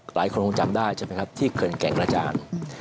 หลายคนคงจำได้ใช่ไหมครับที่เขื่อนแก่งกระจาน